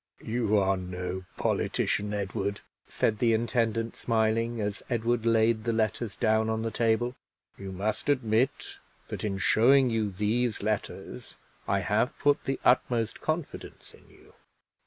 "You are no politician, Edward," said the intendant, smiling, as Edward laid the letters down on the table. "You must admit that, in showing you these letters, I have put the utmost confidence in you."